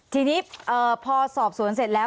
ทีนี้พอสอบสวนเสร็จแล้ว